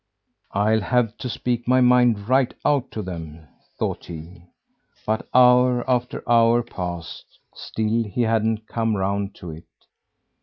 "I'll have to speak my mind right out to them," thought he. But hour after hour passed, still he hadn't come round to it.